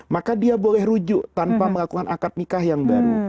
maka dia boleh rujuk tanpa melakukan akad nikah yang baru